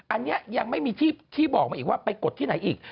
อันนี้ยังไม่มีที่บอกมาอีกว่าไปกดที่ไหนอีก